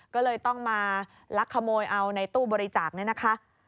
ก็เลยต้องมาลักขโมยเอาในตู้บริจาคเนี่ยนะคะ